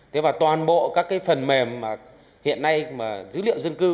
thế và toàn bộ các cái phần mềm mà hiện nay mà dữ liệu dân cư